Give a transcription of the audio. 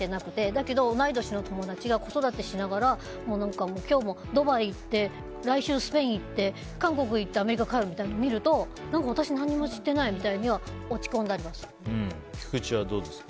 だけど同い年の友達が子育てしながら今日もドバイ行って来週、スペイン行って韓国行ってアメリカ帰るみたいなのを見ると何か私何もしてないみたいには菊地はどうですか。